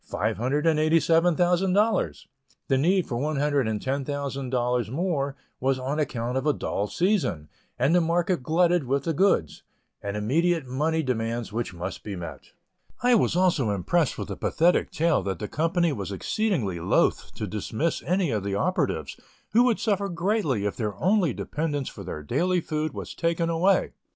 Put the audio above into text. The need for $110,000 more, was on account of a dull season, and the market glutted with the goods, and immediate money demands which must be met. I was also impressed with the pathetic tale that the company was exceedingly loth to dismiss any of the operatives, who would suffer greatly if their only dependence for their daily food was taken away.